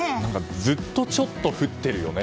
ずっとちょっと降ってるよね